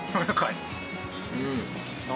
うん。